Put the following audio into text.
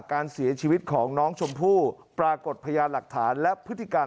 การเสียชีวิตของน้องชมพู่ปรากฏพยานหลักฐานและพฤติการ